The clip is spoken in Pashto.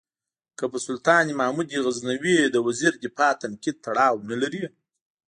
که په سلطان محمود غزنوي د وزیر دفاع تنقید تړاو نه لري.